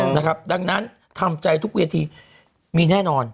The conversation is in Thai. นะครับดังนั้นทำใจทุกเวทีมีแน่นอน